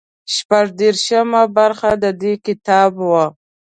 شپږ دېرشمه برخه د دې کتاب وو.